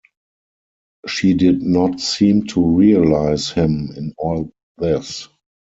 She did not seem to realise him in all this.